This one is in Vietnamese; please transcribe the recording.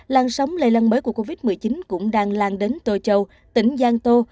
làn sóng lây lăn mới của covid một mươi chín cũng đang lan đến tô châu tỉnh giang tô